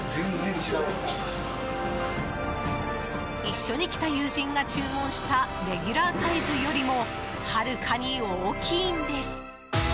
一緒に来た友人が注文したレギュラーサイズよりもはるかに大きいんです。